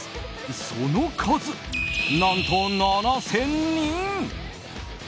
その数、何と７０００人。